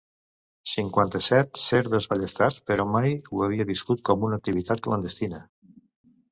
Cinquanta-set ser desballestats però mai no ho havia viscut com una activitat clandestina.